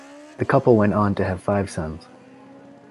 The couple went on to have five sons.